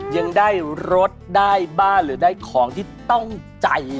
ยังได้รถได้บ้านหรือได้ของที่ต้องใจ